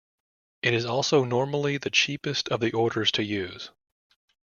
It is also normally the cheapest of the orders to use.